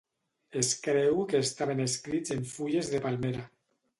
Es creu que estaven escrits en fulles de palmera.